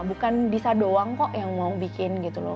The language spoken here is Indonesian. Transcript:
bukan bisa doang kok yang mau bikin gitu loh